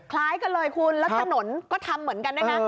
คล้ายกันเลยคุณแล้วถนนก็ทำเหมือนกันด้วยนะ